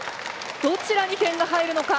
どちらに点が入るのか！